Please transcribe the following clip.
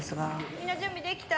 みんな準備出来た？